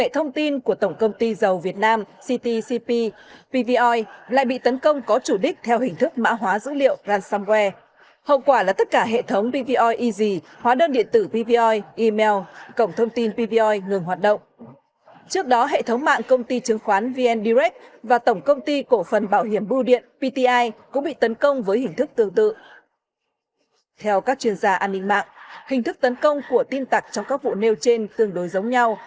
theo các chuyên gia an ninh mạng hình thức tấn công của tin tặc trong các vụ nêu trên tương đối giống nhau